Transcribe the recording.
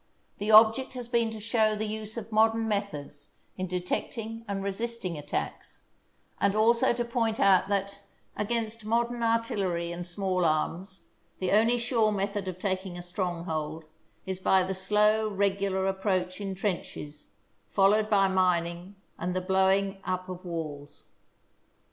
The object has been to show the use of modern methods in detecting and resisting attacks, and also to point out that, against modern artillery and small arms, the only sure method of taking a stronghold is by the slow, regular approach in trenches, followed by mining and the blowing up of walls.